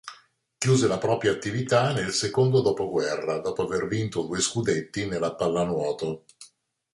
Chiuse la propria attività nel secondo dopoguerra dopo aver vinto due scudetti nella pallanuoto.